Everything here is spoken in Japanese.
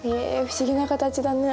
不思議な形だね。